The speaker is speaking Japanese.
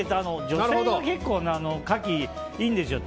女性が結構カキ、いいんですよ。